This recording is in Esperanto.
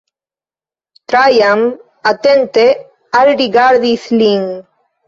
Trajan atente alrigardis lin.